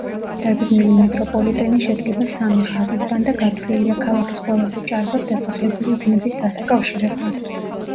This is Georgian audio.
დაგეგმილი მეტროპოლიტენი შედგება სამი ხაზისგან და გათვლილია ქალაქის ყველაზე ჭარბად დასახლებული უბნების დასაკავშირებლად.